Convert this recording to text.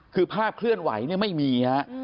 คือภาพเคลื่อนไหวไม่มี